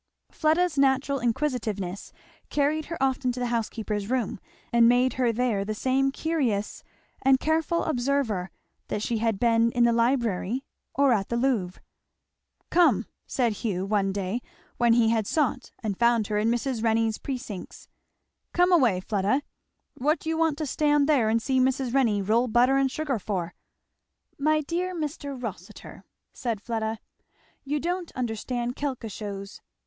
Fleda's natural inquisitiveness carried her often to the housekeeper's room, and made her there the same curious and careful observer that she had been in the library or at the Louvre. "Come," said Hugh one day when he had sought and found her in Mrs. Renney's precincts, "come away, Fleda! What do you want to stand here and see Mrs. Renney roll butter and sugar for?" "My dear Mr. Rossitur!" said Fleda, "you don't understand quelquechoses.